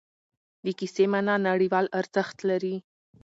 د کیسې معنا نړیوال ارزښت لري.